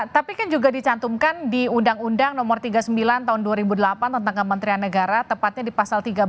tapi kan juga dicantumkan di undang undang nomor tiga puluh sembilan tahun dua ribu delapan tentang kementerian negara tepatnya di pasal tiga belas